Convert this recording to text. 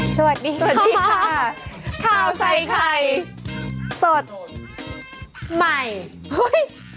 สวัสดีค่ะข้าวใส่ไข่สดใหม่เฮ้ย